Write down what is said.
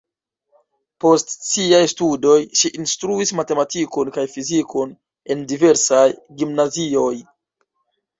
Post siaj studoj ŝi instruis matematikon kaj fizikon en diversaj gimnazioj.